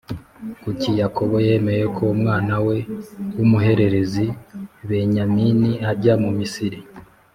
Kuki Yakobo yemeye ko umwana we wumuhererezi Benyamini ajya mu Misiri